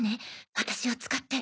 私を使って。